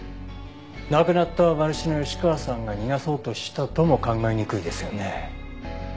亡くなった馬主の吉川さんが逃がそうとしたとも考えにくいですよね。